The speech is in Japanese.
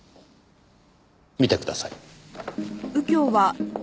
見てください。